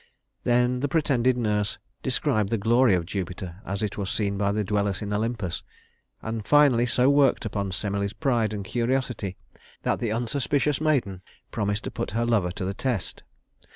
Then the pretended nurse described the glory of Jupiter as it was seen by the dwellers in Olympus, and finally so worked upon Semele's pride and curiosity that the unsuspicious maiden promised to put her lover to the test.